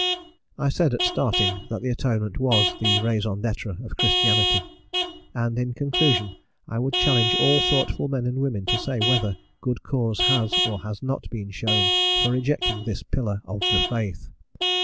I said, at starting, that the Atonement was the raison d'être of Christianity, and, in conclusion, I would challenge all thoughtful men and women to say whether good cause has or has not been shown for rejecting this pillar "of the faith."